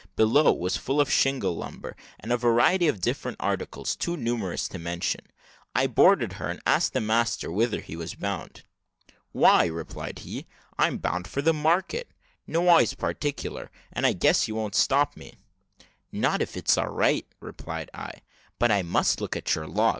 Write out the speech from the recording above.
Below was full of shingle lumber, and a variety of different articles too numerous to mention. I boarded her, and asked the master whither he was bound. "Why," replied he, "I'm bound for a market nowise particular; and I guess you won't stop me." "Not if all's right," replied I; "but I must look at your log."